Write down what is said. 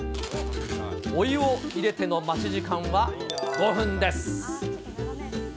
お湯を入れての待ち時間は５分です。